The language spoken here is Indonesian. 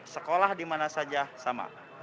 sekolah dimana saja sama